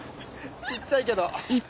小っちゃいけど。